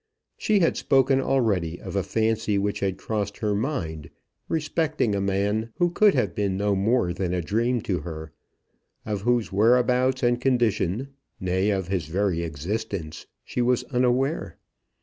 She had spoken already of a fancy which had crossed her mind respecting a man who could have been no more than a dream to her, of whose whereabouts and condition nay, of his very existence she was unaware.